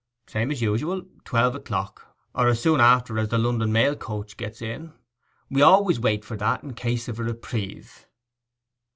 'The same as usual—twelve o'clock, or as soon after as the London mail coach gets in. We always wait for that, in case of a reprieve.